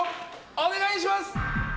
お願いします。